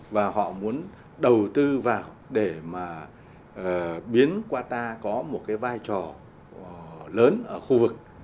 và họ muốn đầu tư vào để mà biến qatar có một cái vai trò lớn ở khu vực